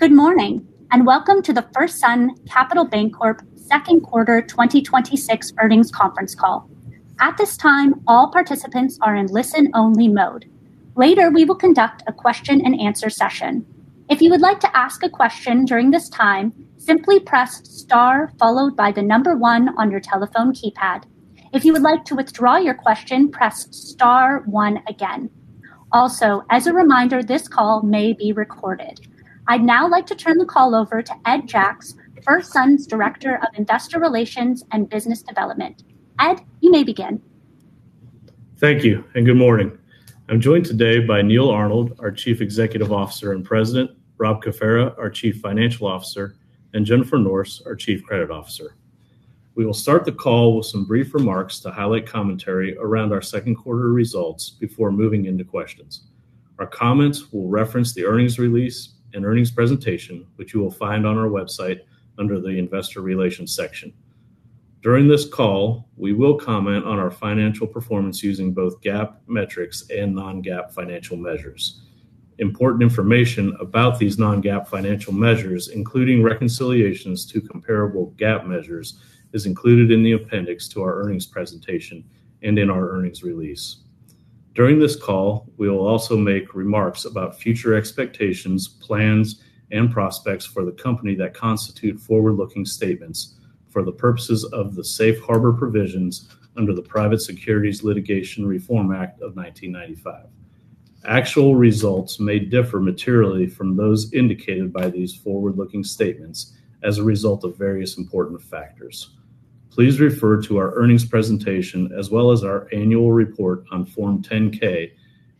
Good morning, and welcome to the FirstSun Capital Bancorp Second Quarter 2026 Earnings Conference Call. At this time, all participants are in listen-only mode. Later, we will conduct a question and answer session. If you would like to ask a question during this time, simply press star followed by the number one on your telephone keypad. If you would like to withdraw your question, press star one again. Also, as a reminder, this call may be recorded. I'd now like to turn the call over to Ed Jacks, FirstSun's Director of Investor Relations and Business Development. Ed, you may begin. Thank you, and good morning. I'm joined today by Neal Arnold, our chief executive officer and president; Rob Cafera, our chief financial officer; and Jennifer Norris, our chief credit officer. We will start the call with some brief remarks to highlight commentary around our second quarter results before moving into questions. Our comments will reference the earnings release and earnings presentation, which you will find on our website under the Investor Relations section. During this call, we will comment on our financial performance using both GAAP metrics and non-GAAP financial measures. Important information about these non-GAAP financial measures, including reconciliations to comparable GAAP measures, is included in the appendix to our earnings presentation and in our earnings release. During this call, we will also make remarks about future expectations, plans, and prospects for the company that constitute forward-looking statements for the purposes of the safe harbor provisions under the Private Securities Litigation Reform Act of 1995. Actual results may differ materially from those indicated by these forward-looking statements as a result of various important factors. Please refer to our earnings presentation as well as our Annual Report on Form 10-K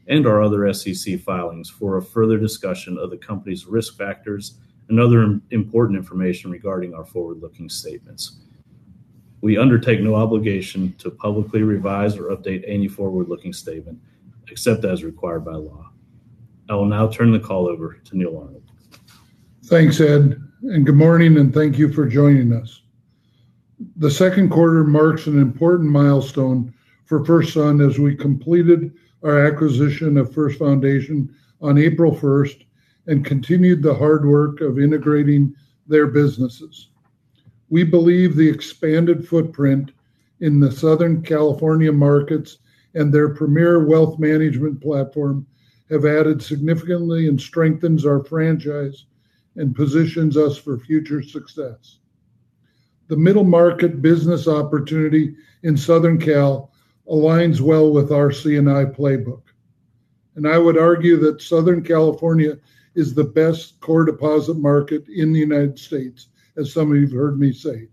and our other SEC filings for a further discussion of the company's risk factors and other important information regarding our forward-looking statements. We undertake no obligation to publicly revise or update any forward-looking statement except as required by law. I will now turn the call over to Neal Arnold. Thanks, Ed. Good morning and thank you for joining us. The second quarter marks an important milestone for FirstSun as we completed our acquisition of First Foundation on April 1st and continued the hard work of integrating their businesses. We believe the expanded footprint in the Southern California markets and their premier wealth management platform have added significantly and strengthened our franchise and positioned us for future success. The middle-market business opportunity in Southern Cal aligns well with our C&I playbook. I would argue that Southern California is the best core deposit market in the United States, as some of you've heard me say.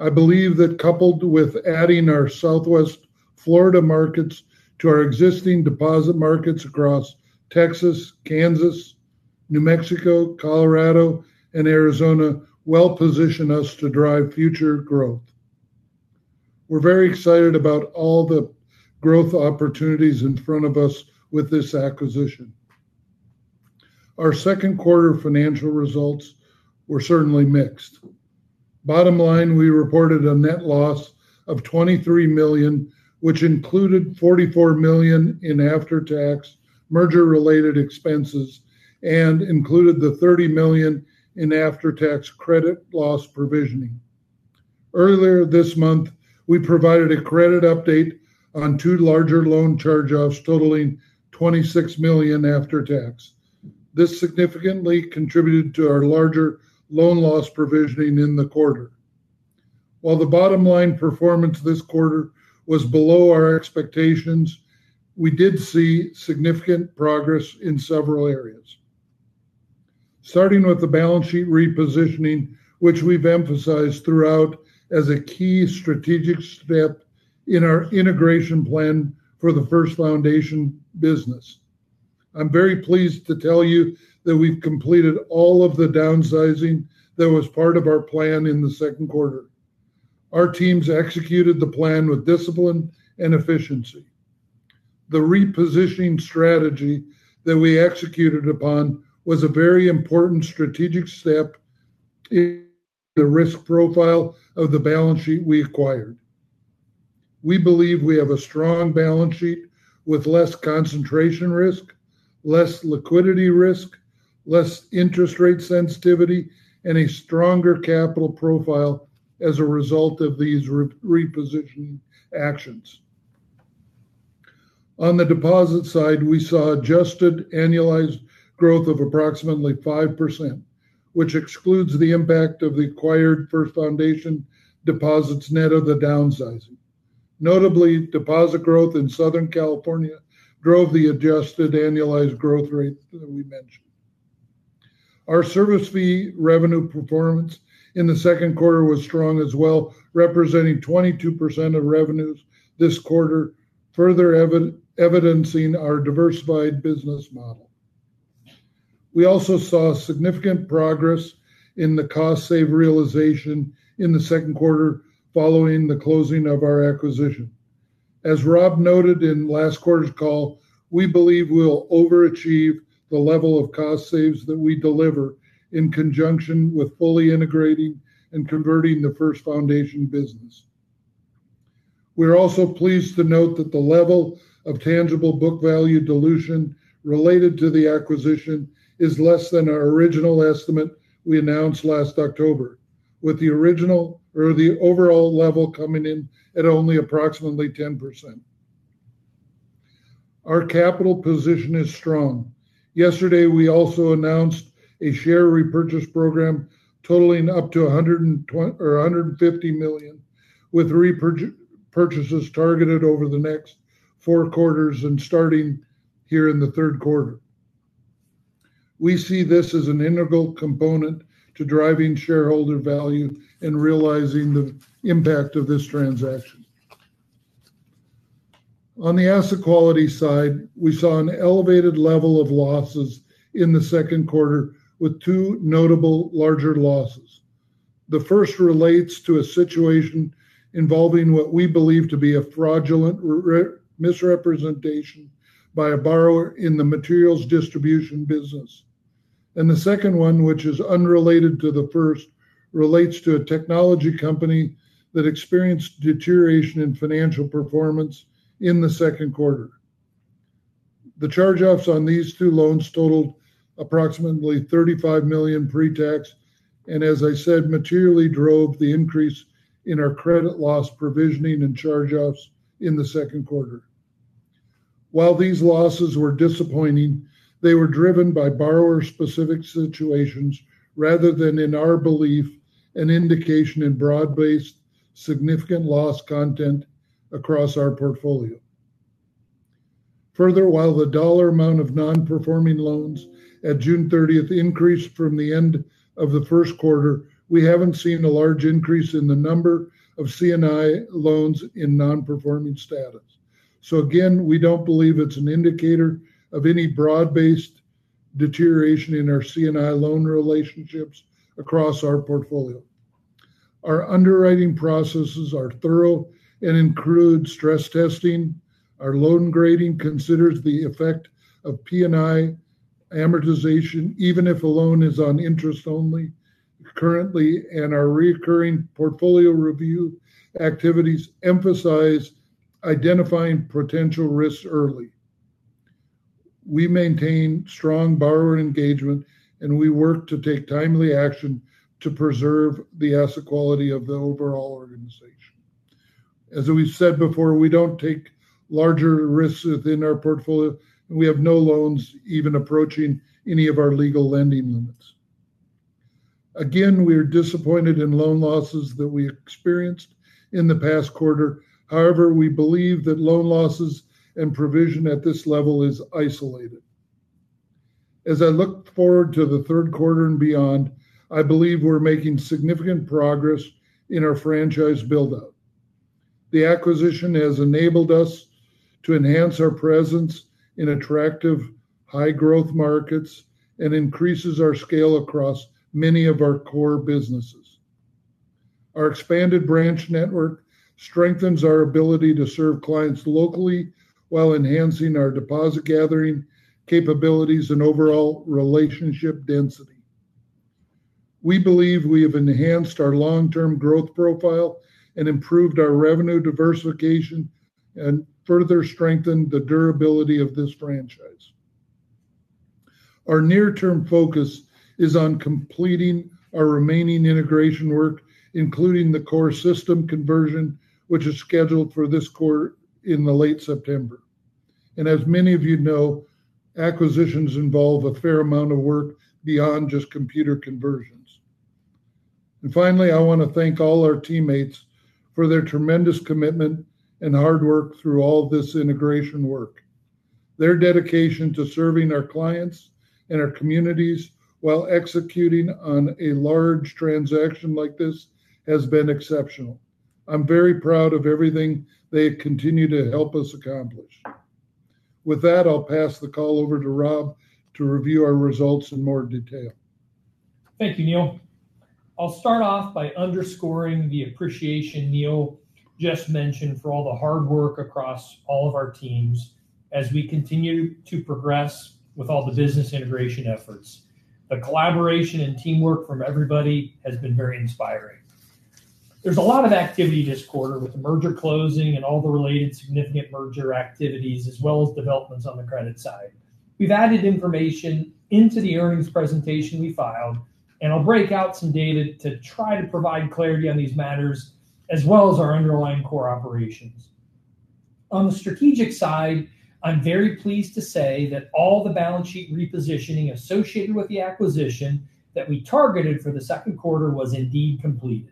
I believe that coupled with adding our Southwest Florida markets to our existing deposit markets across Texas, Kansas, New Mexico, Colorado, and Arizona well position us to drive future growth. We're very excited about all the growth opportunities in front of us with this acquisition. Our second quarter financial results were certainly mixed. Bottom line, we reported a net loss of $23 million, which included $44 million in after-tax merger-related expenses and included the $30 million in after-tax credit loss provisioning. Earlier this month, we provided a credit update on two larger loan charge-offs totaling $26 million after tax. This significantly contributed to our larger loan loss provisioning in the quarter. While the bottom line performance this quarter was below our expectations, we did see significant progress in several areas. Starting with the balance sheet repositioning, which we've emphasized throughout as a key strategic step in our integration plan for the First Foundation business. I'm very pleased to tell you that we've completed all of the downsizing that was part of our plan in the second quarter. Our teams executed the plan with discipline and efficiency. The repositioning strategy that we executed upon was a very important strategic step in the risk profile of the balance sheet we acquired. We believe we have a strong balance sheet with less concentration risk, less liquidity risk, less interest rate sensitivity, and a stronger capital profile as a result of these repositioning actions. On the deposit side, we saw adjusted annualized growth of approximately 5%, which excludes the impact of the acquired First Foundation deposits net of the downsizing. Notably, deposit growth in Southern California drove the adjusted annualized growth rate that we mentioned. Our service fee revenue performance in the second quarter was strong as well, representing 22% of revenues this quarter, further evidencing our diversified business model. We also saw significant progress in the cost-saving realization in the second quarter following the closing of our acquisition. As Rob noted in last quarter's call, we believe we'll overachieve the level of cost saves that we deliver in conjunction with fully integrating and converting the First Foundation business. We're also pleased to note that the level of tangible book value dilution related to the acquisition is less than our original estimate we announced last October, with the overall level coming in at only approximately 10%. Our capital position is strong. Yesterday, we also announced a share repurchase program totaling up to $150 million, with repurchases targeted over the next four quarters and starting here in the third quarter. We see this as an integral component to driving shareholder value and realizing the impact of this transaction. On the asset quality side, we saw an elevated level of losses in the second quarter with two notable larger losses. The first relates to a situation involving what we believe to be a fraudulent misrepresentation by a borrower in the materials distribution business. The second one, which is unrelated to the first, relates to a technology company that experienced deterioration in financial performance in the second quarter. The charge-offs on these two loans totaled approximately $35 million pre-tax, and as I said, materially drove the increase in our credit loss provisioning and charge-offs in the second quarter. While these losses were disappointing, they were driven by borrower-specific situations rather than, in our belief, an indication in broad-based significant loss content across our portfolio. Further, while the dollar amount of non-performing loans at June 30th increased from the end of the first quarter, we haven't seen a large increase in the number of C&I loans in non-performing status. Again, we don't believe it's an indicator of any broad-based deterioration in our C&I loan relationships across our portfolio. Our underwriting processes are thorough and include stress testing. Our loan grading considers the effect of P&I amortization, even if a loan is on interest only currently, and our reoccurring portfolio review activities emphasize identifying potential risks early. We maintain strong borrower engagement, and we work to take timely action to preserve the asset quality of the overall organization. As we've said before, we don't take larger risks within our portfolio, and we have no loans even approaching any of our legal lending limits. Again, we're disappointed in loan losses that we experienced in the past quarter. However, we believe that loan losses and provisions at this level are isolated. As I look forward to the third quarter and beyond, I believe we're making significant progress in our franchise buildup. The acquisition has enabled us to enhance our presence in attractive high-growth markets and increases our scale across many of our core businesses. Our expanded branch network strengthens our ability to serve clients locally while enhancing our deposit-gathering capabilities and overall relationship density. We believe we have enhanced our long-term growth profile and improved our revenue diversification and further strengthened the durability of this franchise. Our near-term focus is on completing our remaining integration work, including the core system conversion, which is scheduled for this quarter in late September. As many of you know, acquisitions involve a fair amount of work beyond just computer conversions. Finally, I want to thank all our teammates for their tremendous commitment and hard work through all this integration work. Their dedication to serving our clients and our communities while executing on a large transaction like this has been exceptional. I'm very proud of everything they have continued to help us accomplish. With that, I'll pass the call over to Rob to review our results in more detail. Thank you, Neal. I'll start off by underscoring the appreciation Neal just mentioned for all the hard work across all of our teams as we continue to progress with all the business integration efforts. The collaboration and teamwork from everybody has been very inspiring. There's a lot of activity this quarter with the merger closing and all the related significant merger activities, as well as developments on the credit side. We've added information into the earnings presentation we filed, and I'll break out some data to try to provide clarity on these matters, as well as our underlying core operations. On the strategic side, I'm very pleased to say that all the balance sheet repositioning associated with the acquisition that we targeted for the second quarter was indeed completed.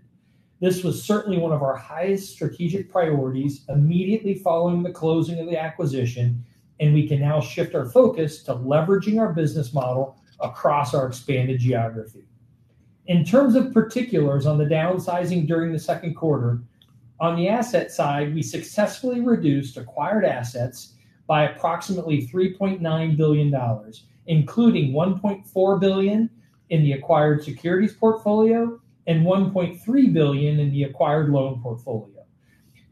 This was certainly one of our highest strategic priorities immediately following the closing of the acquisition, and we can now shift our focus to leveraging our business model across our expanded geography. In terms of particulars on the downsizing during the second quarter, on the asset side, we successfully reduced acquired assets by approximately $3.9 billion, including $1.4 billion in the acquired securities portfolio and $1.3 billion in the acquired loan portfolio.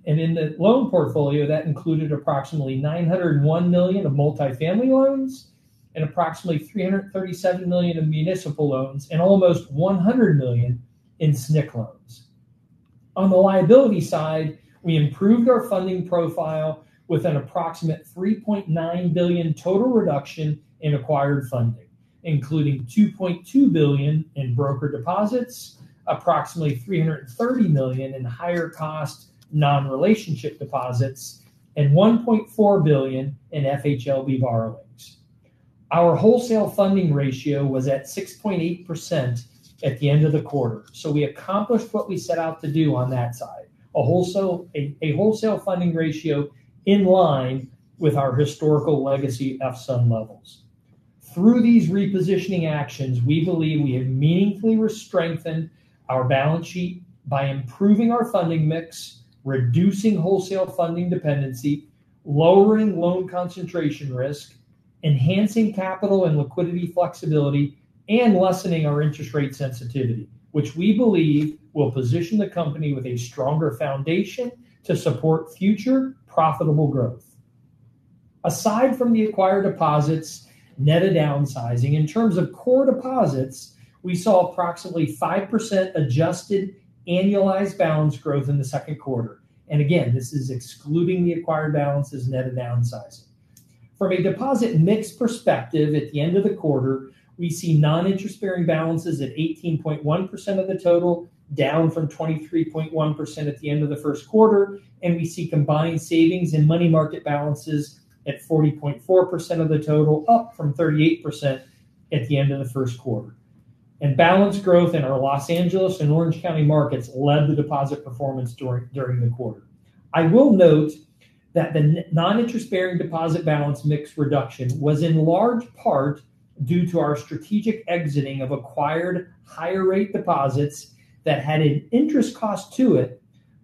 In the loan portfolio, that included approximately $901 million of multifamily loans. Approximately $337 million in municipal loans and almost $100 million in SNC loans. On the liability side, we improved our funding profile with an approximate $3.9 billion total reduction in acquired funding, including $2.2 billion in broker deposits, approximately $330 million in higher-cost non-relationship deposits, and $1.4 billion in FHLB borrowings. Our wholesale funding ratio was at 6.8% at the end of the quarter. We accomplished what we set out to do on that side. A wholesale funding ratio in line with our historical legacy FSUN levels. Through these repositioning actions, we believe we have meaningfully strengthened our balance sheet by improving our funding mix, reducing wholesale funding dependency, lowering loan concentration risk, enhancing capital and liquidity flexibility, and lessening our interest rate sensitivity, which we believe will position the company with a stronger foundation to support future profitable growth. Aside from the acquired deposits, net of downsizing, in terms of core deposits, we saw approximately 5% adjusted annualized balance growth in the second quarter. Again, this is excluding the acquired balances, net of downsizing. From a deposit mix perspective, at the end of the quarter, we see non-interest-bearing balances at 18.1% of the total, down from 23.1% at the end of the first quarter, and we see combined savings and money market balances at 40.4% of the total, up from 38% at the end of the first quarter. Balance growth in our Los Angeles and Orange County markets led the deposit performance during the quarter. I will note that the non-interest-bearing deposit balance mix reduction was in large part due to our strategic exiting of acquired higher-rate deposits that had an interest cost to them,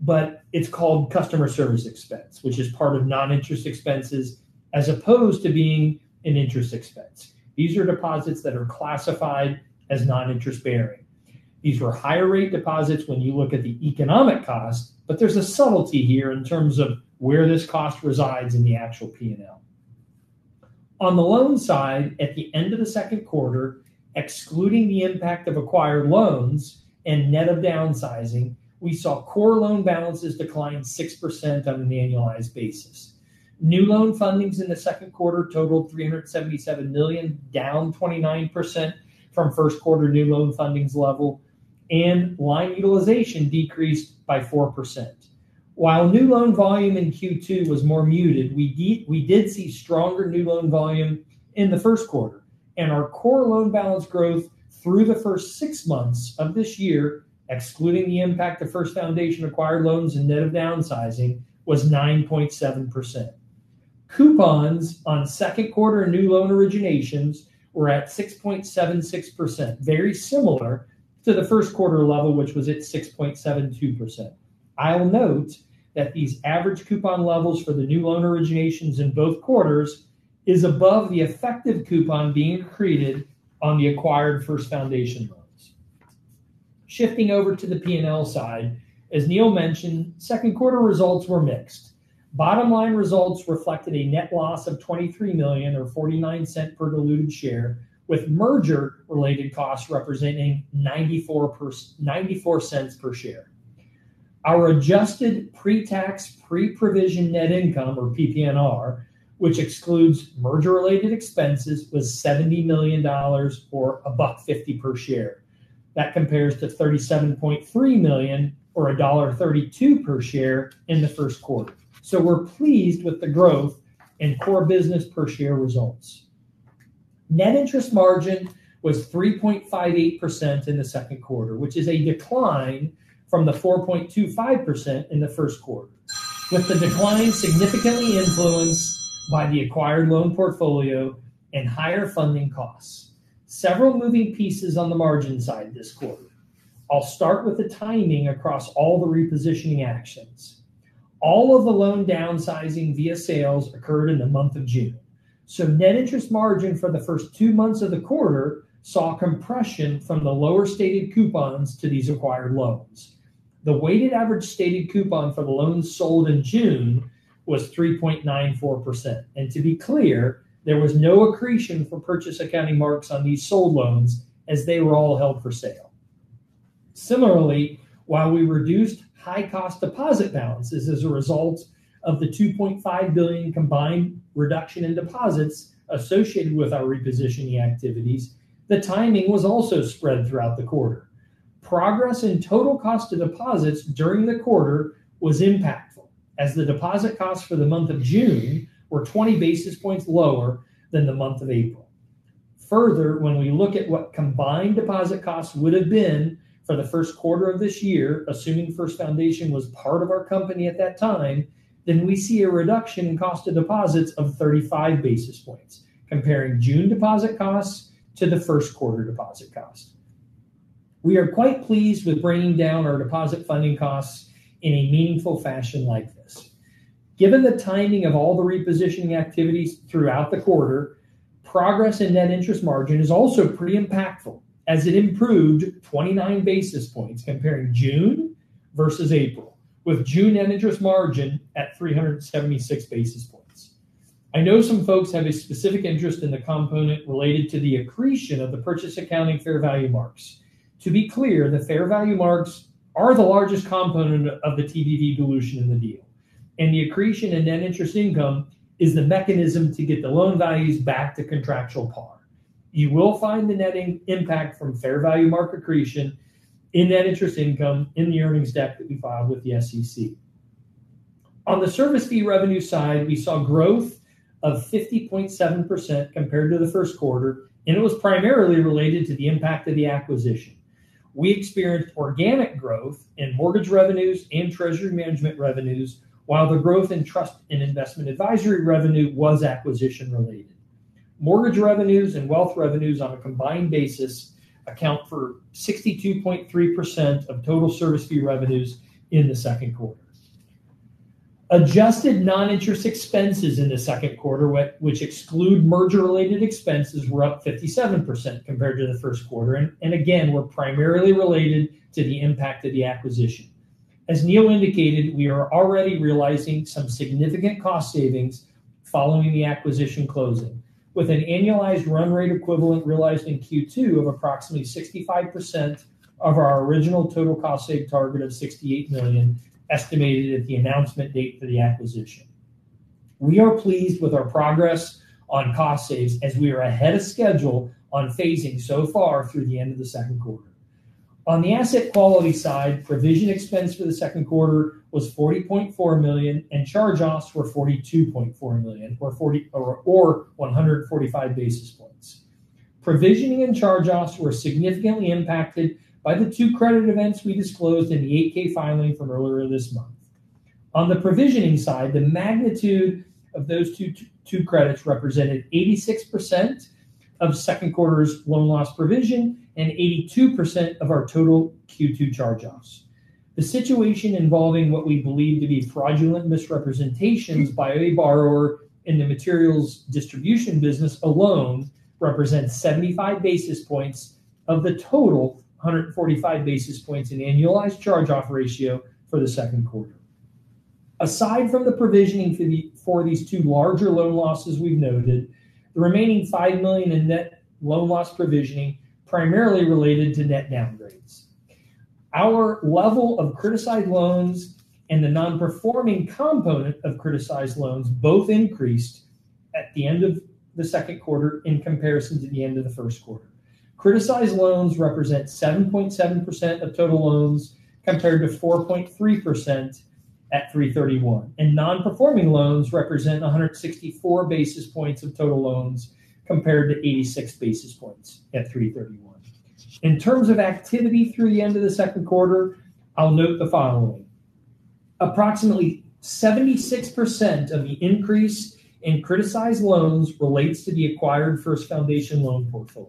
but it's called customer service expense, which is part of non-interest expenses as opposed to being an interest expense. These are deposits that are classified as non-interest-bearing. These were higher-rate deposits when you look at the economic cost, but there's a subtlety here in terms of where this cost resides in the actual P&L. On the loan side, at the end of the second quarter, excluding the impact of acquired loans and net of downsizing, we saw core loan balances decline 6% on an annualized basis. New loan fundings in the second quarter totaled $377 million, down 29% from the first quarter's new loan funding level, and line utilization decreased by 4%. While new loan volume in Q2 was more muted, we did see stronger new loan volume in the first quarter. Our core loan balance growth through the first six months of this year, excluding the impact of First Foundation-acquired loans and net of downsizing, was 9.7%. Coupons on second quarter new loan originations were at 6.76%, very similar to the first quarter level, which was at 6.72%. I'll note that these average coupon levels for the new loan originations in both quarters is above the effective coupon being accreted on the acquired First Foundation loans. Shifting over to the P&L side, as Neal mentioned, second quarter results were mixed. Bottom line results reflected a net loss of $23 million or $0.49 per diluted share, with merger-related costs representing $0.94 per share. Our adjusted pre-tax, pre-provision net income or PPNR, which excludes merger-related expenses, was $70 million, or $1.50 per share. That compares to $37.3 million or $1.32 per share in the first quarter. So we're pleased with the growth in core business per share results. Net interest margin was 3.58% in the second quarter, which is a decline from the 4.25% in the first quarter, with the decline significantly influenced by the acquired loan portfolio and higher funding costs. Several moving pieces on the margin side this quarter. I'll start with the timing across all the repositioning actions. All of the loan downsizing via sales occurred in the month of June. So net interest margin for the first two months of the quarter saw compression from the lower stated coupons to these acquired loans. The weighted average stated coupon for the loans sold in June was 3.94%. And to be clear, there was no accretion for purchase accounting marks on these sold loans as they were all held for sale. Similarly, while we reduced high-cost deposit balances as a result of the $2.5 billion combined reduction in deposits associated with our repositioning activities, the timing was also spread throughout the quarter. Progress in the total cost of deposits during the quarter was impactful, as the deposit costs for the month of June were 20 basis points lower than in the month of April. Further, when we look at what combined deposit costs would have been for the first quarter of this year, assuming First Foundation was part of our company at that time, we see a reduction in the cost of deposits of 35 basis points, comparing June deposit costs to the first quarter deposit cost. We are quite pleased with bringing down our deposit funding costs in a meaningful fashion like this. Given the timing of all the repositioning activities throughout the quarter, progress in net interest margin is also pretty impactful, as it improved 29 basis points comparing June versus April, with June net interest margin at 376 basis points. I know some folks have a specific interest in the component related to the accretion of the purchase accounting fair value marks. To be clear, the fair value marks are the largest component of the TBV dilution in the deal, and the accretion in net interest income is the mechanism to get the loan values back to contractual par. You will find the net impact from fair value mark accretion in net interest income in the earnings deck that we filed with the SEC. On the service fee revenue side, we saw growth of 50.7% compared to the first quarter; it was primarily related to the impact of the acquisition. We experienced organic growth in mortgage revenues and treasury management revenues, while the growth in trust and investment advisory revenue was acquisition-related. Mortgage revenues and wealth revenues on a combined basis account for 62.3% of total service fee revenues in the second quarter. Adjusted non-interest expenses in the second quarter, which exclude merger-related expenses, were up 57% compared to the first quarter and, again, were primarily related to the impact of the acquisition. As Neal indicated, we are already realizing some significant cost savings following the acquisition closing, with an annualized run rate equivalent realized in Q2 of approximately 65% of our original total cost-save target of $68 million estimated at the announcement date for the acquisition. We are pleased with our progress on cost savings, as we are ahead of schedule on phasing so far through the end of the second quarter. On the asset quality side, provision expense for the second quarter was $40.4 million, and charge-offs were $42.4 million, or 145 basis points. Provisioning and charge-offs were significantly impacted by the two credit events we disclosed in the 8-K filing from earlier this month. On the provisioning side, the magnitude of those two credits represented 86% of the second quarter's loan loss provision and 82% of our total Q2 charge-offs. The situation involving what we believe to be fraudulent misrepresentations by a borrower in the materials distribution business alone represents 75 basis points of the total 145 basis points in annualized charge-off ratio for the second quarter. Aside from the provisioning for these two larger loan losses we've noted, the remaining $5 million in net loan loss provisioning primarily related to net downgrades. Our level of criticized loans and the non-performing component of criticized loans both increased at the end of the second quarter in comparison to the end of the first quarter. Criticized loans represent 7.7% of total loans, compared to 4.3% at 3/31, and non-performing loans represent 164 basis points of total loans compared to 86 basis points at 3/31. In terms of activity through the end of the second quarter, I'll note the following. Approximately 76% of the increase in criticized loans relates to the acquired First Foundation loan portfolio.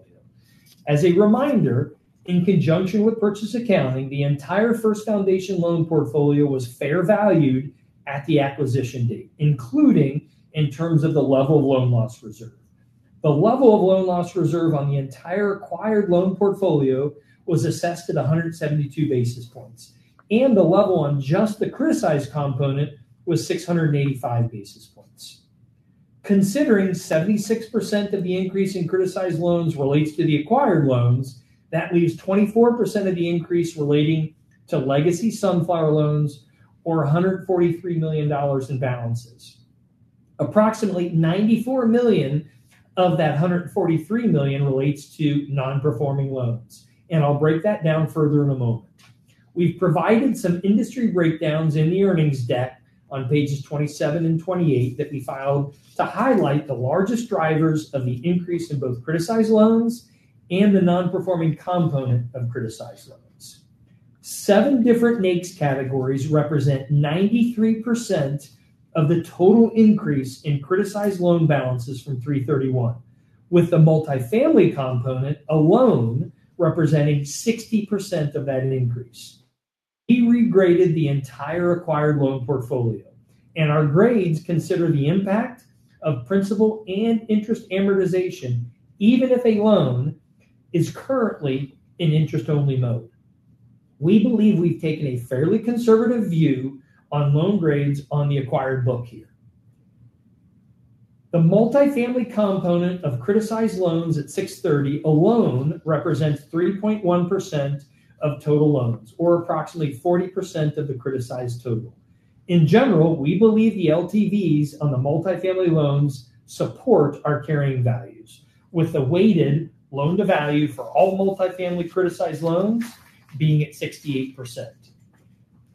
As a reminder, in conjunction with purchase accounting, the entire First Foundation loan portfolio was fair-valued at the acquisition date, including in terms of the level of loan loss reserve. The level of loan loss reserve on the entire acquired loan portfolio was assessed at 172 basis points, and the level on just the criticized component was 685 basis points. Considering 76% of the increase in criticized loans relates to the acquired loans, that leaves 24% of the increase relating to legacy Sunflower loans or $143 million in balances. Approximately $94 million of that $143 million relates to non-performing loans, and I'll break that down further in a moment. We've provided some industry breakdowns in the earnings deck on pages 27 and 28 that we filed to highlight the largest drivers of the increase in both criticized loans and the non-performing component of criticized loans. Seven different NAICS categories represent 93% of the total increase in criticized loan balances from 3/31, with the multifamily component alone representing 60% of that increase. We regraded the entire acquired loan portfolio. Our grades consider the impact of principal and interest amortization, even if a loan is currently in interest-only mode. We believe we've taken a fairly conservative view on loan grades on the acquired book here. The multifamily component of criticized loans at 6/30 alone represents 3.1% of total loans, or approximately 40% of the criticized total. In general, we believe the LTVs on the multifamily loans support our carrying values, with the weighted loan-to-value for all multifamily criticized loans being at 68%.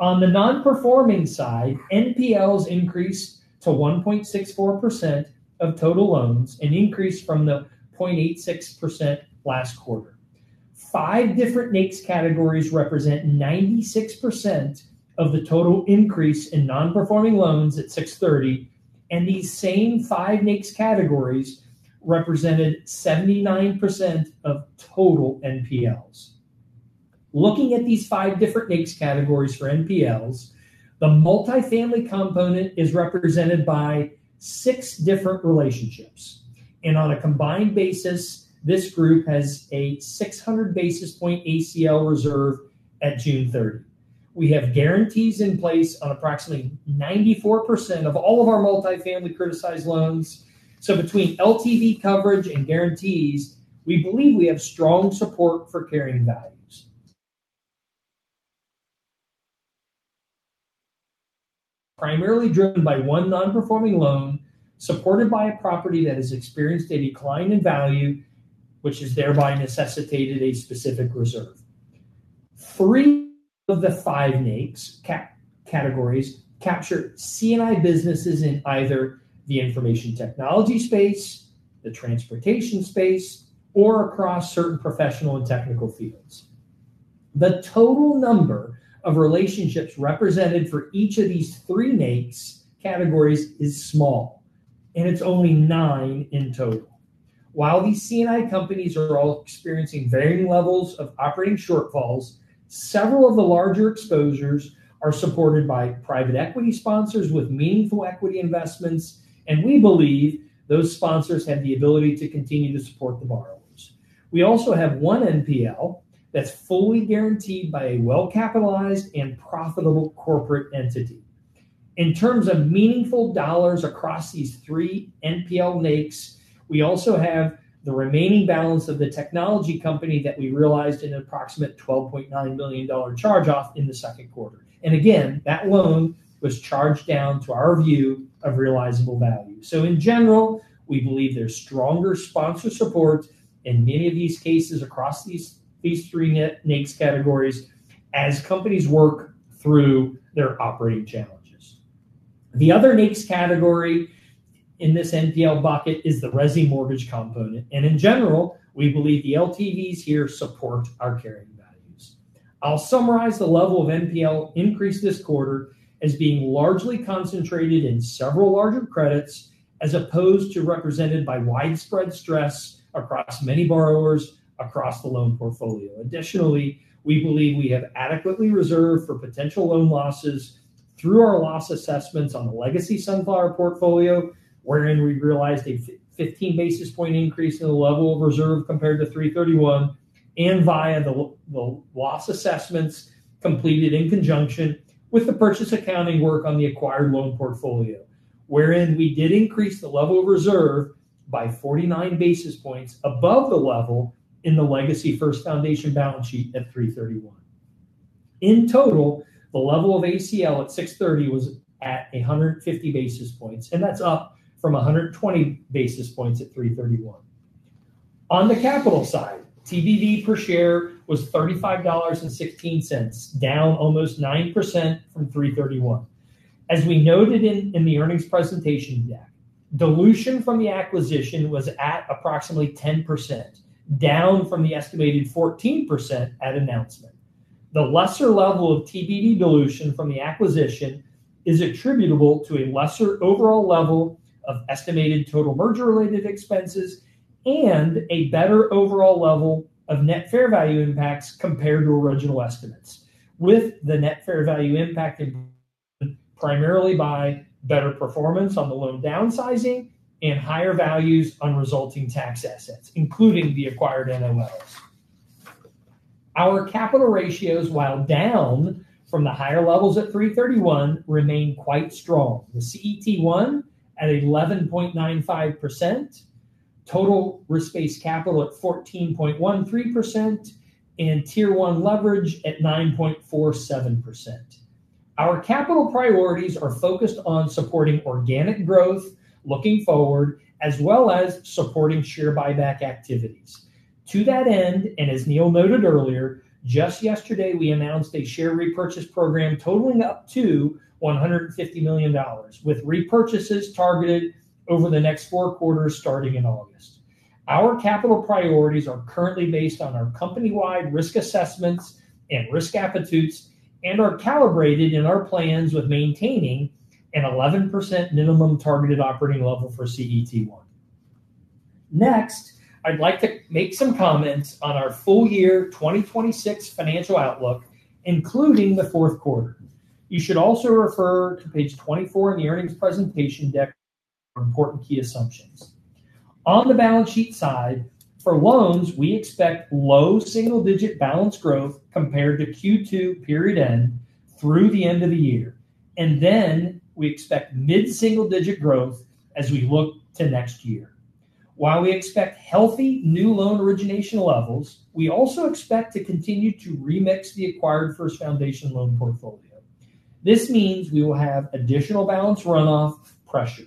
On the non-performing side, NPLs increased to 1.64% of total loans and increased from the 0.86% last quarter. Five different NAICS categories represent 96% of the total increase in non-performing loans at 6/30, and these same five NAICS categories represented 79% of total NPLs. Looking at these five different NAICS categories for NPLs, the multifamily component is represented by six different relationships. On a combined basis, this group has a 600 basis point ACL reserve at June 30. We have guarantees in place on approximately 94% of all of our multifamily criticized loans. Between LTV coverage and guarantees, we believe we have strong support for carrying values. Primarily driven by one non-performing loan supported by a property that has experienced a decline in value, which has thereby necessitated a specific reserve. Three of the five NAICS categories capture C&I businesses in either the information technology space, the transportation space, or across certain professional and technical fields. The total number of relationships represented for each of these three NAICS categories is small, and it's only nine in total. While these C&I companies are all experiencing varying levels of operating shortfalls, several of the larger exposures are supported by private equity sponsors with meaningful equity investments; we believe those sponsors have the ability to continue to support the borrowers. We also have one NPL that's fully guaranteed by a well-capitalized and profitable corporate entity. In terms of meaningful dollars across these three NPL NAICS, we also have the remaining balance of the technology company for which we realized an approximate $12.9 million charge-off in the second quarter. Again, that loan was charged down to our view of realizable value. In general, we believe there's stronger sponsor support in many of these cases across these three NAICS categories as companies work through their operating challenges. The other NAICS category in this NPL bucket is the resi mortgage component. In general, we believe the LTVs here support our carrying values. I'll summarize the level of NPL increase this quarter as being largely concentrated in several larger credits, as opposed to being represented by widespread stress across many borrowers across the loan portfolio. Additionally, we believe we have adequately reserved for potential loan losses through our loss assessments on the Legacy Sunflower portfolio, wherein we realized a 15 basis point increase in the level of reserve compared to 3/31 via the loss assessments completed in conjunction with the purchase accounting work on the acquired loan portfolio. Wherein we did increase the level of reserve by 49 basis points above the level in the Legacy First Foundation balance sheet at 3/31. In total, the level of ACL at 6/30 was at 150 basis points; that's up from 120 basis points at 3/31. On the capital side, TBV per share was $35.16, down almost 9% from 3/31. As we noted in the earnings presentation deck, dilution from the acquisition was at approximately 10%, down from the estimated 14% at announcement. The lesser level of TBV dilution from the acquisition is attributable to a lesser overall level of estimated total merger-related expenses and a better overall level of net fair value impacts compared to original estimates. With the net fair value impact driven primarily by better performance on the loan downsizing and higher values on resulting tax assets, including the acquired NOLs. Our capital ratios, while down from the higher levels at 3/31, remain quite strong. The CET1 at 11.95%, total risk-based capital at 14.13%, and Tier 1 leverage at 9.47%. Our capital priorities are focused on supporting organic growth looking forward, as well as supporting share buyback activities. To that end, as Neal noted earlier, just yesterday, we announced a share repurchase program totaling up to $150 million, with repurchases targeted over the next four quarters starting in August. Our capital priorities are currently based on our company-wide risk assessments and risk appetites and are calibrated in our plans with maintaining an 11% minimum targeted operating level for CET1. Next, I'd like to make some comments on our full-year 2026 financial outlook, including the fourth quarter. You should also refer to page 24 in the earnings presentation deck for important key assumptions. On the balance sheet side, for loans, we expect low double-digit balance growth compared to the Q2 period end through the end of the year. Then we expect mid-single-digit growth as we look to next year. While we expect healthy new loan origination levels, we also expect to continue to remix the acquired First Foundation loan portfolio. This means we will have additional balance runoff pressure.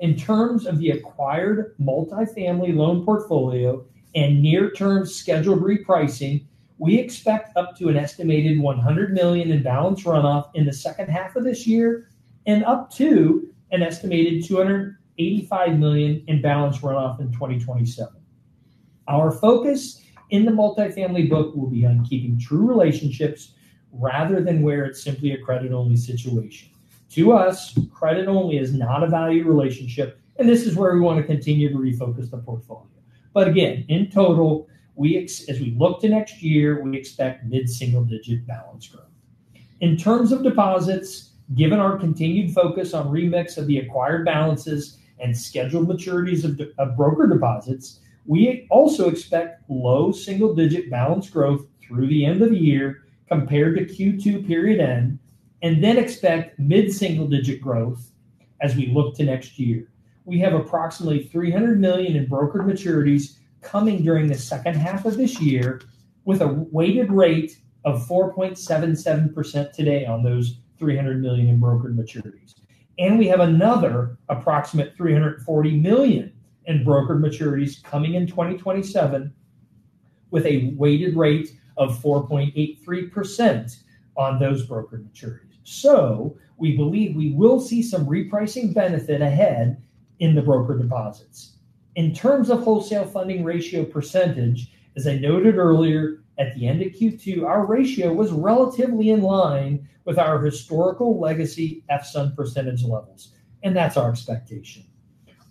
In terms of the acquired multifamily loan portfolio and near-term scheduled repricing, we expect up to an estimated $100 million in balance runoff in the second half of this year and up to an estimated $285 million in balance runoff in 2027. Our focus in the multifamily book will be on keeping true relationships rather than where it's simply a credit-only situation. To us, credit-only is not a value relationship, and this is where we want to continue to refocus the portfolio. Again, in total, as we look to next year, we expect mid-single-digit balance growth. In terms of deposits, given our continued focus on remix of the acquired balances and scheduled maturities of broker deposits, we also expect low-single-digit balance growth through the end of the year compared to the Q2 period end, then expect mid-single-digit growth as we look to next year. We have approximately $300 million in brokered maturities coming during the second half of this year with a weighted rate of 4.77% today on those $300 million in brokered maturities. We have another approximate $340 million in brokered maturities coming in 2027 with a weighted rate of 4.83% on those brokered maturities. We believe we will see some repricing benefit ahead in the broker deposits. In terms of wholesale funding ratio percentage, as I noted earlier, at the end of Q2, our ratio was relatively in line with our historical legacy FSUN percentage levels, and that's our expectation.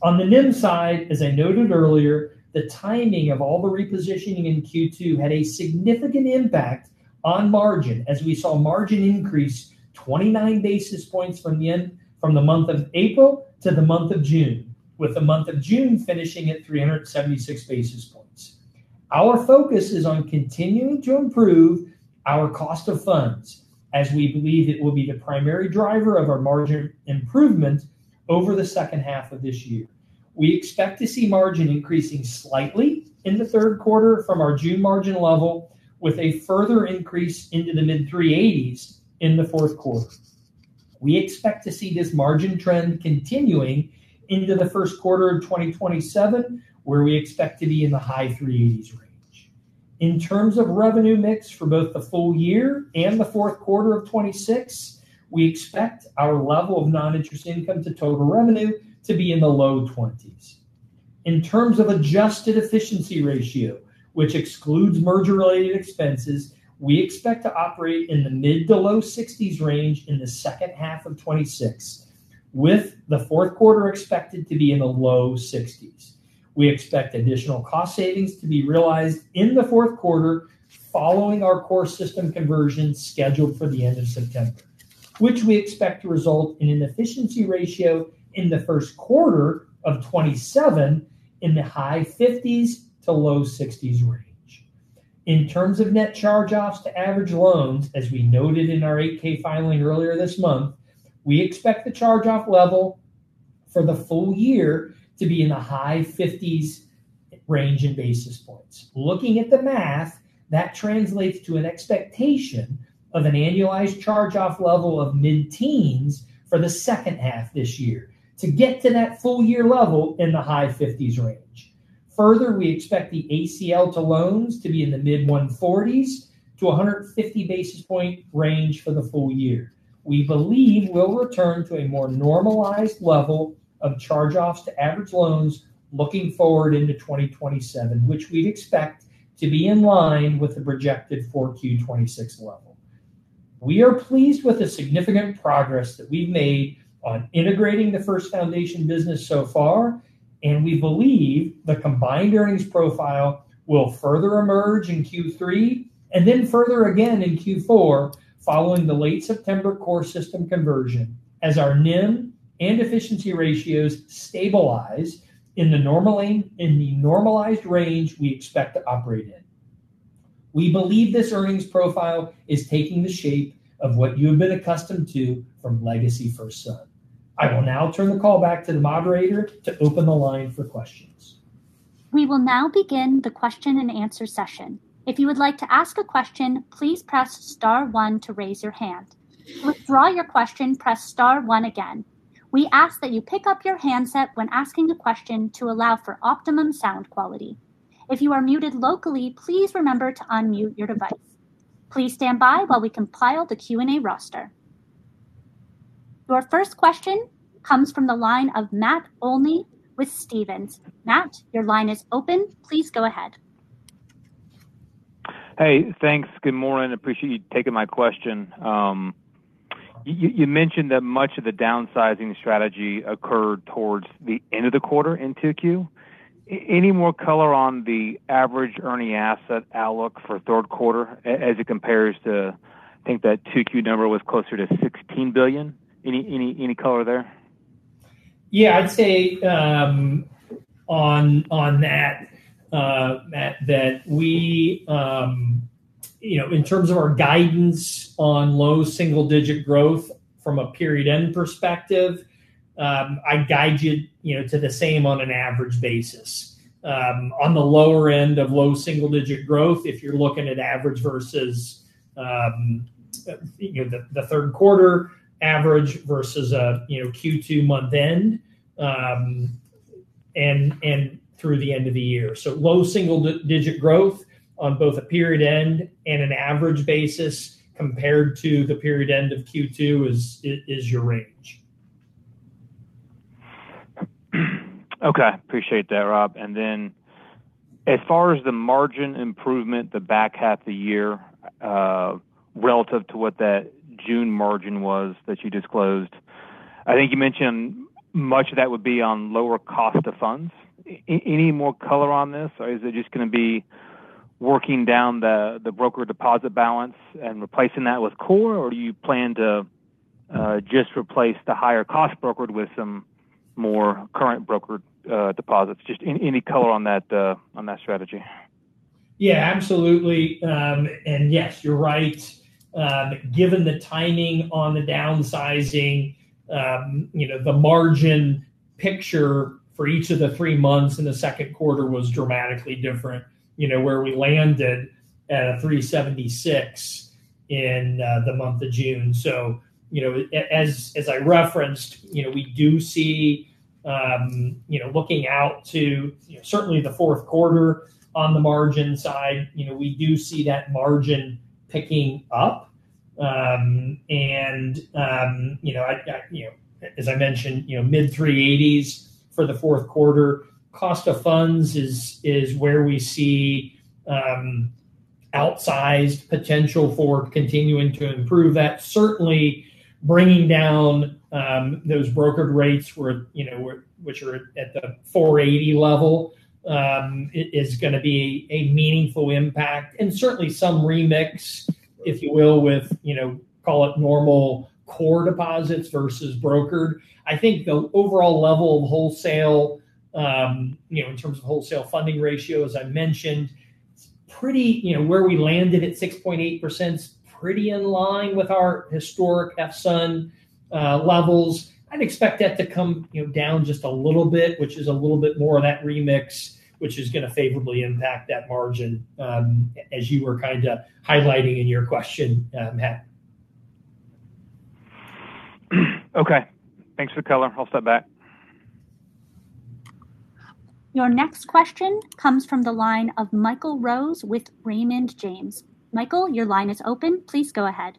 On the NIM side, as I noted earlier, the timing of all the repositioning in Q2 had a significant impact on margin as we saw margin increase 29 basis points from the month of April to the month of June, with the month of June finishing at 376 basis points. Our focus is on continuing to improve our cost of funds as we believe it will be the primary driver of our margin improvement over the second half of this year. We expect to see margin increasing slightly in the third quarter from our June margin level with a further increase into the mid-380s in the fourth quarter. We expect to see this margin trend continuing into the first quarter of 2027, where we expect to be in the high-380s range. In terms of revenue mix for both the full year and the fourth quarter of 2026, we expect our level of non-interest income to total revenue to be in the low 20s. In terms of adjusted efficiency ratio, which excludes merger-related expenses, we expect to operate in the mid-to-low 60s range in the second half of 2026, with the fourth quarter expected to be in the low 60s. We expect additional cost savings to be realized in the fourth quarter following our core system conversion scheduled for the end of September, which we expect to result in an efficiency ratio in the first quarter of 2027 in the high-50s to low-60s range. In terms of net charge-offs to average loans, as we noted in our 8-K filing earlier this month, we expect the charge-off level for the full year to be in the high 50s range in basis points. Looking at the math, that translates to an expectation of an annualized charge-off level of mid-teens for the second half this year to get to that full year level in the high 50s range. Further, we expect the ACL to loans to be in the mid-140s to 150 basis point range for the full year. We believe we'll return to a more normalized level of charge-offs to average loans looking forward into 2027, which we'd expect to be in line with the projected 4Q 2026 level. We are pleased with the significant progress that we've made on integrating the First Foundation business so far. We believe the combined earnings profile will further emerge in Q3 and then further again in Q4 following the late September core system conversion as our NIM and efficiency ratios stabilize in the normalized range we expect to operate in. We believe this earnings profile is taking the shape of what you have been accustomed to from legacy FirstSun. I will now turn the call back to the moderator to open the line for questions. We will now begin the question-and-answer session. If you would like to ask a question, please press star one to raise your hand. To withdraw your question, press star one again. We ask that you pick up your handset when asking a question to allow for optimum sound quality. If you are muted locally, please remember to unmute your device. Please stand by while we compile the Q&A roster. Your first question comes from the line of Matt Olney with Stephens. Matt, your line is open. Please go ahead. Hey, thanks. Good morning. Appreciate you taking my question. You mentioned that much of the downsizing strategy occurred towards the end of the quarter in Q2. Any more color on the average earning asset outlook for the third quarter as it compares to, I think that the Q2 number was closer to $16 billion? Any color there? I'd say on that, Matt, that in terms of our guidance on low single-digit growth from a period-end perspective, I'd guide you to the same on an average basis. On the lower end of low single-digit growth, if you're looking at the third quarter average versus a Q2 month-end and through the end of the year. Low single-digit growth on both a period-end and an average basis compared to the period end of Q2 is your range. Appreciate that, Rob. As far as the margin improvement in the back half of the year, relative to what that June margin was that you disclosed, I think you mentioned much of that would be on the lower cost of funds. Any more color on this? Is it just going to be working down the brokered deposit balance and replacing that with core? Do you plan to just replace the higher-cost brokered with some more current brokered deposits? Just any color on that strategy. Absolutely. Yes, you're right. Given the timing on the downsizing, the margin picture for each of the three months in the second quarter was dramatically different, where we landed at a 3.76% in the month of June. As I referenced, we do see, looking out to certainly the fourth quarter on the margin side, we do see that margin picking up. As I mentioned, mid-3.80% for the fourth quarter. Cost of funds is where we see outsized potential for continuing to improve that. Certainly bringing down those brokered rates, which are at the 4.80% level, is going to be a meaningful impact. Certainly some remix, if you will, with what we call normal core deposits versus brokered. I think the overall level of wholesale, in terms of wholesale funding ratio, as I mentioned, where we landed at 6.8%, is pretty in line with our historic FSUN levels. I'd expect that to come down just a little bit, which is a little bit more of that remix, which is going to favorably impact that margin, as you were kind of highlighting in your question, Matt. Okay. Thanks for the color. I'll step back. Your next question comes from the line of Michael Rose with Raymond James. Michael, your line is open. Please go ahead.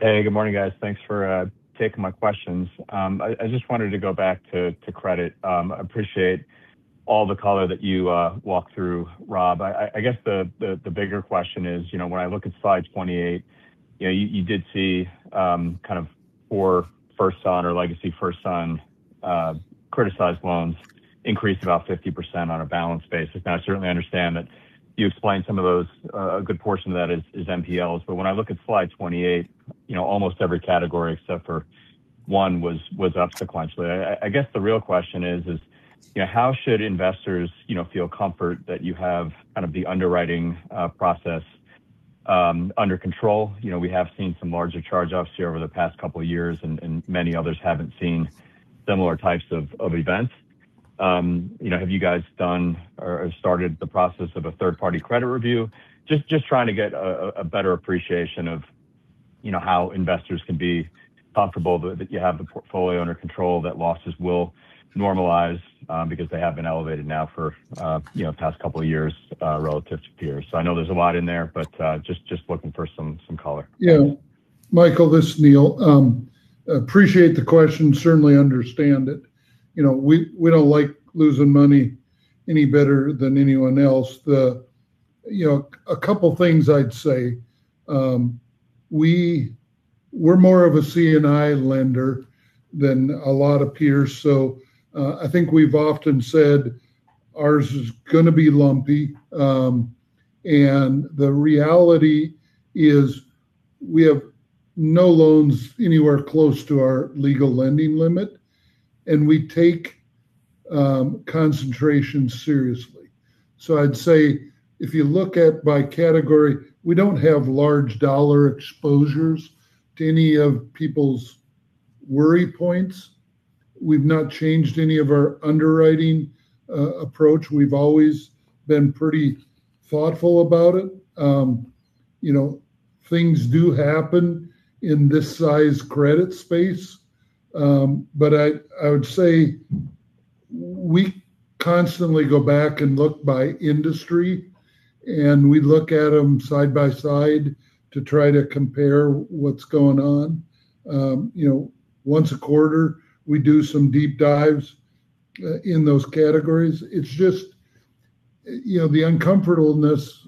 Hey, good morning, guys. Thanks for taking my questions. I just wanted to go back to credit. I appreciate all the color that you walked through, Rob. I guess the bigger question is, when I look at slide 28, you did see kind of four FirstSun or legacy FirstSun criticized loans increase about 50% on a balance basis. I certainly understand that you explained some of those; a good portion of that is NPLs. When I look at slide 28, almost every category except for one was up sequentially. I guess the real question is how should investors feel comfortable that you have kind of the underwriting process under control? We have seen some larger charge-offs here over the past couple of years, and many others haven't seen similar types of events. Have you guys done or started the process of a third-party credit review? Just trying to get a better appreciation of how investors can be comfortable that you have the portfolio under control and that losses will normalize because they have been elevated now for the past couple of years relative to peers. I know there's a lot in there, but I'm just looking for some color. Yeah. Michael, this is Neal. Appreciate the question. Certainly understand it. We don't like losing money any better than anyone else. A couple of things I'd say. We're more of a C&I lender than a lot of peers, so I think we've often said ours is going to be lumpy. The reality is we have no loans anywhere close to our legal lending limit, and we take concentration seriously. I'd say if you look at by category, we don't have large dollar exposures to any of people's worry points. We've not changed any of our underwriting approach. We've always been pretty thoughtful about it. Things do happen in this size credit space. I would say we constantly go back and look by industry, and we look at them side by side to try to compare what's going on. Once a quarter, we do some deep dives in those categories. It's just that the uncomfortableness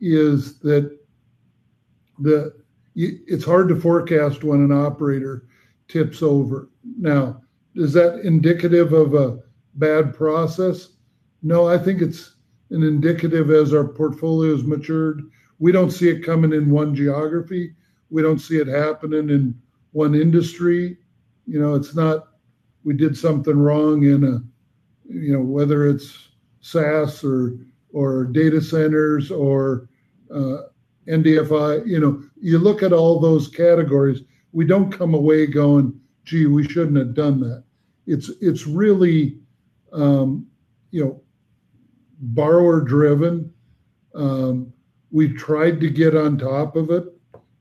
is that it's hard to forecast when an operator tips over. Is that indicative of a bad process? No, I think it's indicative, as our portfolio has matured. We don't see it coming in one geography. We don't see it happening in one industry. It's not that we did something wrong in it, whether it's SaaS or data centers or MDFI. ou look at all those categories; we don't come away going, Gee, we shouldn't have done that. It's really borrower-driven. We've tried to get on top of it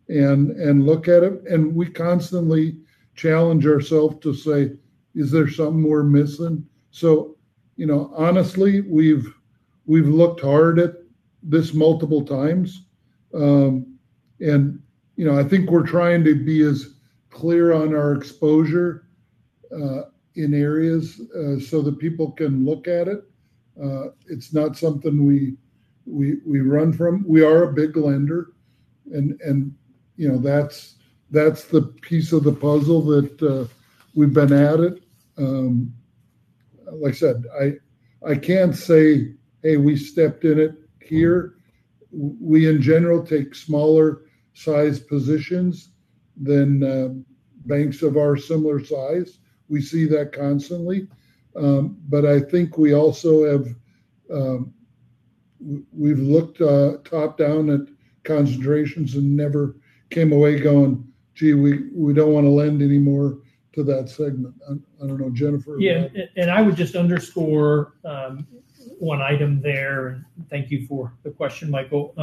and look at it, and we constantly challenge ourselves to say, Is there something more missing? Honestly, we've looked hard at this multiple times. I think we're trying to be as clear on our exposure in areas so that people can look at them. It's not something we run from. We are a big lender, and that's the piece of the puzzle that we've been working on. Like I said, I can't say, Hey, we stepped in it here. We, in general, take smaller-sized positions than banks of our similar size. We see that constantly. I think we also have looked top-down at concentrations and never came away going, Gee, we don't want to lend any more to that segment. I don't know, Jennifer? Yeah. I would just underscore one item there; thank you for the question, Michael,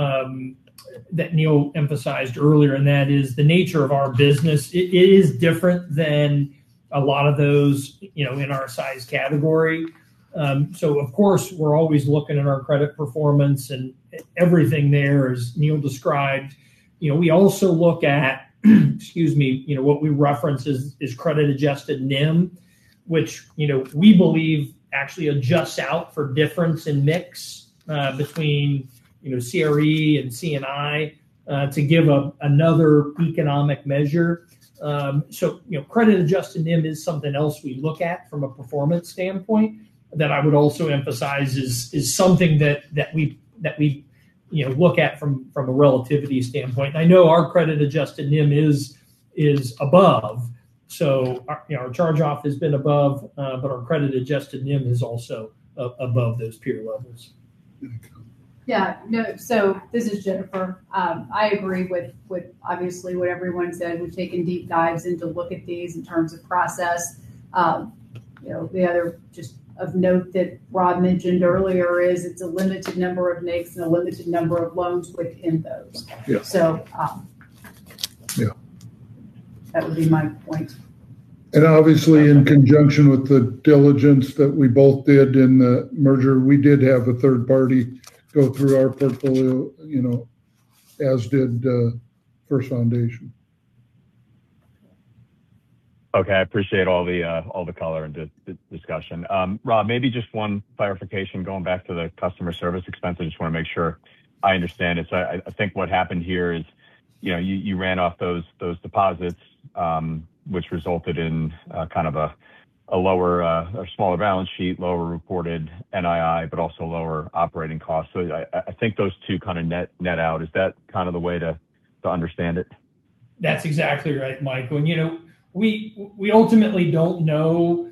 that Neal emphasized earlier, and that is the nature of our business. It is different than a lot of those in our size category. Of course, we're always looking at our credit performance and everything there, as Neal described. We also look at, excuse me, what we reference as credit-adjusted NIM, which we believe actually adjusts out for differences in mix between CRE and C&I to give another economic measure. Credit-adjusted NIM is something else we look at from a performance standpoint that I would also emphasize is something that we look at from a relativity standpoint. I know our credit-adjusted NIM is above, so our charge-off has been above, but our credit-adjusted NIM is also above those peer levels. Yeah. No, this is Jennifer. I agree with obviously what everyone said. We've taken deep dives in to look at these in terms of process. The other just of note that Rob mentioned earlier is it's a limited number of NAICS and a limited number of loans within those. Yeah. So— Yeah That would be my point. Obviously, in conjunction with the diligence that we both did in the merger, we did have a third party go through our portfolio, as did First Foundation. Okay. I appreciate all the color and the discussion. Rob, maybe just one clarification going back to the customer service expense. I just want to make sure I understand it. I think what happened here is you ran off those deposits, which resulted in a lower or smaller balance sheet, lower reported NII, but also lower operating costs. I think those two net out. Is that the way to understand it? That's exactly right, Michael. We ultimately don't know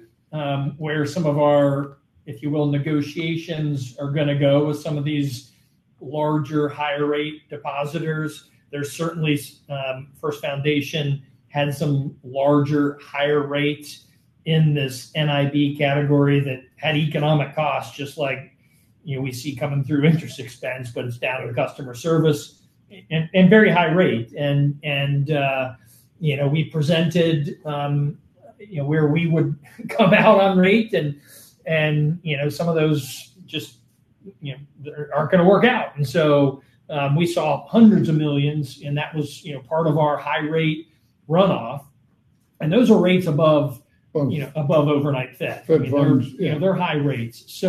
where some of our, if you will, negotiations are going to go with some of these larger, higher-rate depositors. There's certainly a First Foundation that had some larger, higher rates in this NIB category that had economic costs, just like we see coming through interest expense, but it's down to the customer service and very high rate. We presented where we would come out on rate, and some of those just aren't going to work out. We saw hundreds of millions, and that was part of our high rate runoff, and those were rates above— Above ...overnight Fed. Fed Funds, yeah. They're high rates. It's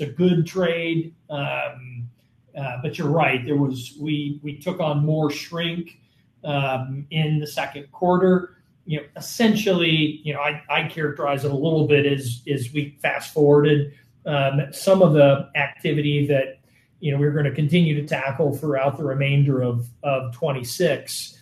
a good trade. You're right; we took on more shrink in the second quarter. Essentially, I'd characterize it a little bit as we fast-forwarded some of the activity that we're going to continue to tackle throughout the remainder of 2026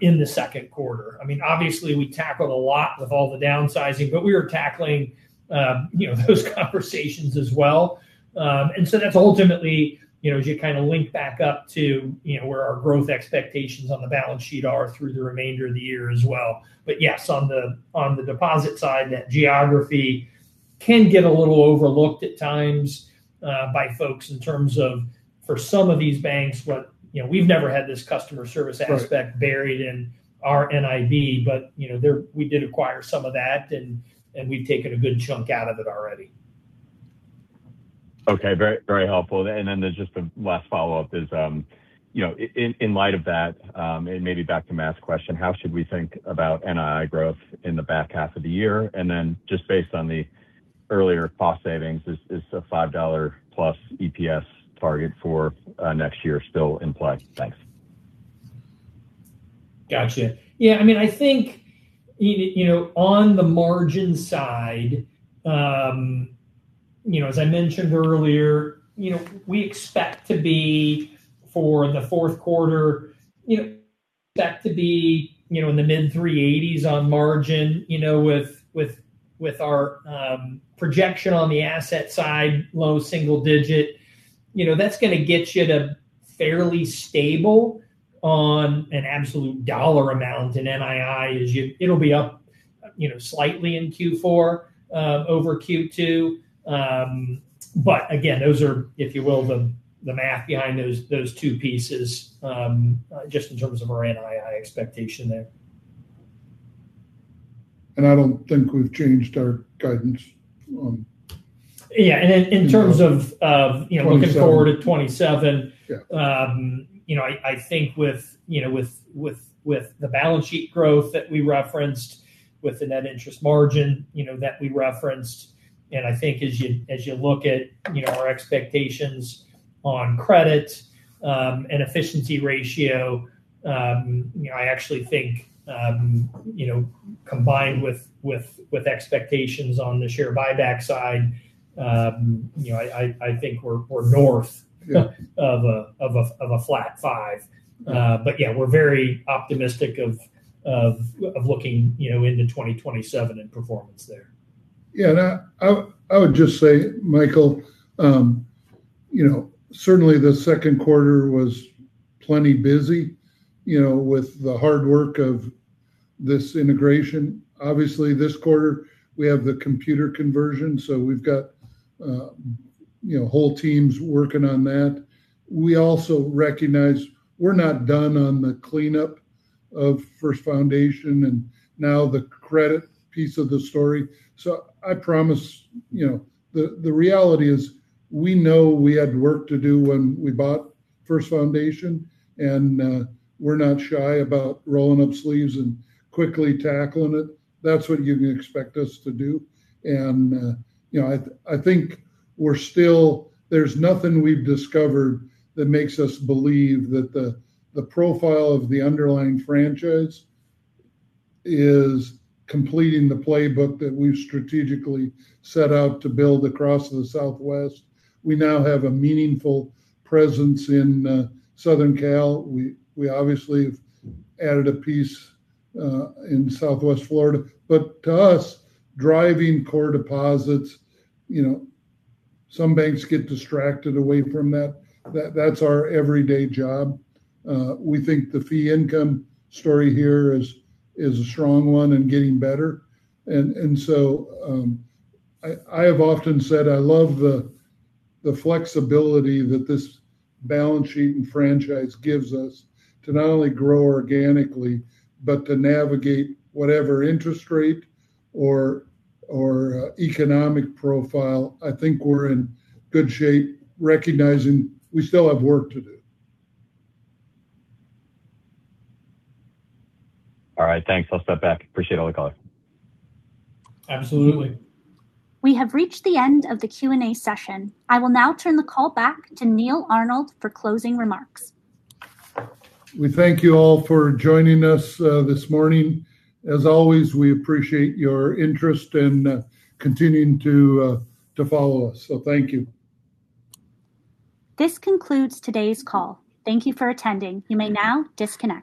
in the second quarter. Obviously we tackled a lot with all the downsizing, but we are tackling those conversations as well. That's ultimately as you link back up to where our growth expectations on the balance sheet are through the remainder of the year as well. Yes, on the deposit side, that geography can get a little overlooked at times by folks in terms of, for some of these banks, we've never had this customer service aspect— Right ...buried in our NIV. We did acquire some of that, and we've taken a good chunk out of it already. Okay. Very helpful. There's just a last follow-up in light of that, and maybe back to Matt's question, how should we think about NII growth in the back half of the year? Just based on the earlier cost savings, is the $+5 EPS target for next year still in play? Thanks. Got you. I think on the margin side, as I mentioned earlier, we expect to be for the fourth quarter, expecting to be in the mid-380s on margin with our projection on the asset side, low single digits. That's going to get you to fairly stable on an absolute dollar amount in NII, as it'll be up slightly in Q4 over Q2. Again, those are, if you will, the math behind those two pieces, just in terms of our NII expectation there. I don't think we've changed our guidance on In terms of looking forward at 2027, I think with the balance sheet growth that we referenced and with the net interest margin that we referenced, I think as you look at our expectations on credit and efficiency ratio, I actually think, combined with expectations on the share buyback side, we're north of a flat five. Yeah, we're very optimistic about looking into 2027 and performance there. I would just say, Michael, certainly the second quarter was plenty busy with the hard work of this integration. Obviously, this quarter we have the computer conversion, so we've got whole teams working on that. We also recognize we're not done on the cleanup of First Foundation and now the credit piece of the story. I promise the reality is we know we had work to do when we bought First Foundation, and we're not shy about rolling up sleeves and quickly tackling it. That's what you can expect us to do. I think there's nothing we've discovered that makes us believe that the profile of the underlying franchise is completing the playbook that we've strategically set out to build across the Southwest. We now have a meaningful presence in Southern Cal. We obviously have added a piece in Southwest Florida. To us, driving core deposits, some banks get distracted from that. That's our everyday job. We think the fee income story here is a strong one and getting better. I have often said I love the flexibility that this balance sheet and franchise gives us to not only grow organically but also navigate whatever interest rate or economic profile. I think we're in good shape recognizing we still have work to do. All right, thanks. I'll step back. Appreciate all the color. Absolutely. We have reached the end of the Q&A session. I will now turn the call back to Neal Arnold for closing remarks. We thank you all for joining us this morning. As always, we appreciate your interest in continuing to follow us. Thank you. This concludes today's call. Thank you for attending. You may now disconnect.